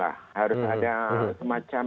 harus ada semacam